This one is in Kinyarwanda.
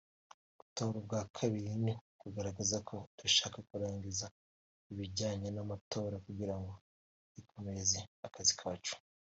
gutora ubwa kabiri ni ukugaragaza ko dushaka kurangiza ibijyanye n’amatora kugira ngo twikomereze akazi kacu